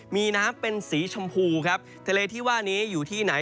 มีน้ำเป็นสีชมพูครับทะเลที่ว่านี้อยู่ที่ไหน